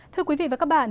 thưa quý vị và các bạn